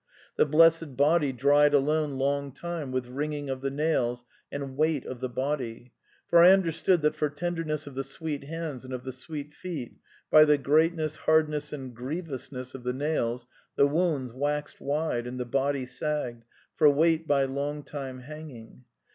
The blessed body dried alone long time with wringing of the nails and weight of the body. For I under^ stood that for tenderness of the sweet hands and of the sweet feet, by the greatness, hardness, and grievousness of the nails the wounds waxed wide and the body sagged, for weight by long time hanging.